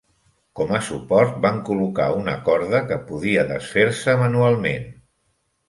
Com a suport, van col·locar una corda que podia desfer-se manualment.